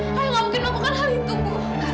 ayah nggak mungkin melakukan hal itu bu